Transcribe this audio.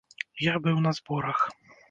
Я быў на зборах.